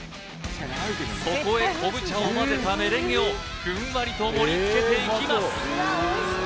そこへ昆布茶をまぜたメレンゲをふんわりと盛りつけていきます